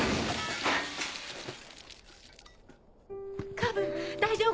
カブ大丈夫？